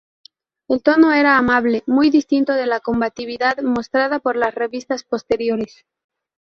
El tono era amable, muy distinto de la combatividad mostrada por las revistas posteriores.